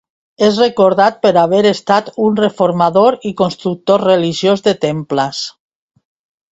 És recordat per haver estat un reformador i constructor religiós de temples.